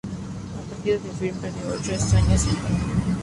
El partido de Bird perdió ocho escaños del Parlamento.